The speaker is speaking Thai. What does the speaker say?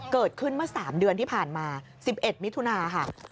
เกิดขึ้นเมื่อ๓เดือนที่ผ่านมา๑๑มิถุนาค่ะ